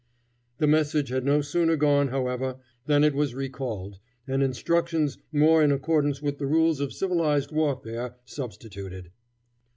The message had no sooner gone, however, than it was recalled, and instructions more in accordance with the rules of civilized warfare substituted.